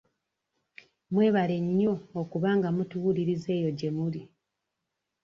Mwebale nnyo okuba nga mutuwuliriza eyo gye muli.